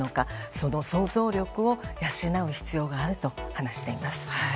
その想像力を養う必要があると話しています。